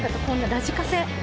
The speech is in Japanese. ラジカセ。